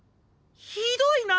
ひどいな。